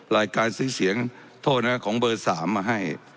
รายการซื้อเสียงโทษนะของเบอร์๓มาให้